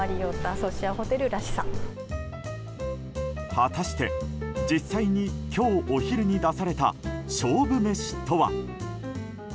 果たして、実際に今日お昼に出された勝負メシとは？